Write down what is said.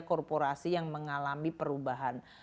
sektor kesehatan yang mengalami perubahan